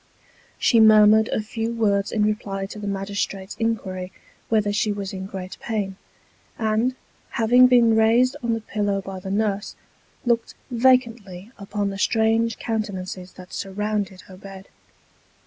She murmured a few words in reply to the magistrate's inquiry whether she was in great pain ; and, having been raised on the pillow by the nurse, looked vacantly upon the strange countenances that surrounded her bed.